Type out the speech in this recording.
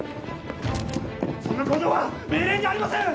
そんな行動は命令にありません！